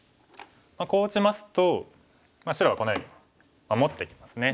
こう打ちますと白はこのように守ってきますね。